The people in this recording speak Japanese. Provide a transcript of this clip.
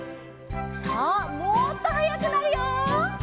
さあもっとはやくなるよ。